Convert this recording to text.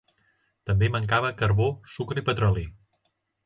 També mancava carbó, sucre i petroli